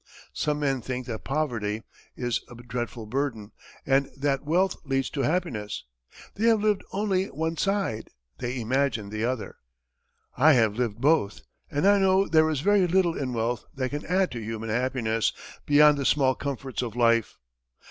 Some men think that poverty is a dreadful burden, and that wealth leads to happiness. They have lived only one side; they imagine the other. I have lived both, and I know there is very little in wealth that can add to human happiness, beyond the small comforts of life.